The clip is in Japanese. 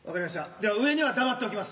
では上には黙っておきます。